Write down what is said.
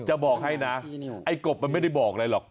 จะบอกให้นะไอ้กบมันไม่ได้บอกอะไรหรอก